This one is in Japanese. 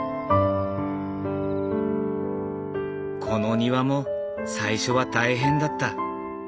この庭も最初は大変だった。